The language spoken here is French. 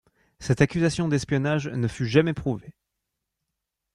Cette accusation d'espionnage ne fut jamais prouvée.